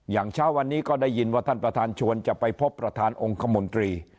เช้าวันนี้ก็ได้ยินว่าท่านประธานชวนจะไปพบประธานองค์คมนตรี